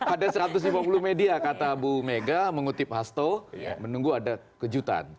ada satu ratus lima puluh media kata bu mega mengutip hasto menunggu ada kejutan